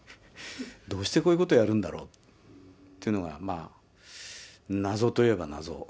どうしてこういうことをやるんだろうっていうことが、まあ、謎といえば謎。